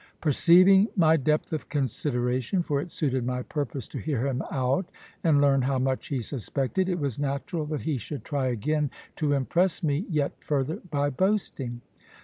Perceiving my depth of consideration for it suited my purpose to hear him out, and learn how much he suspected it was natural that he should try again to impress me yet further by boasting.